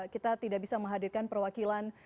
kita tidak bisa menghadirkan perwakilan